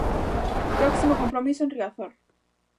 Próximo compromiso en Riazor.